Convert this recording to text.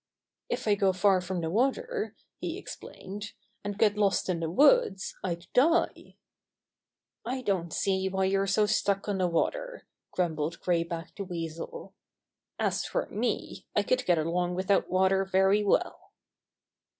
"If I go far from the water," he explained, "and get lost in the woods, I'd die." "I don't see why you're so stuck on the water," grumbled Gray Back the Weasel. "As for me I could get along without water very well."